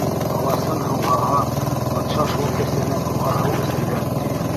Ыласын һыуһаһа, батша шул кәсәнән уға һыу эсергән, ти.